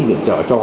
viện trợ cho